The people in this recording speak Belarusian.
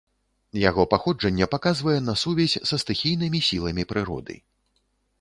Яго паходжанне паказвае на сувязь са стыхійнымі сіламі прыроды.